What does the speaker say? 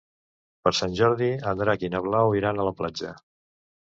Per Sant Jordi en Drac i na Blau iran a la platja.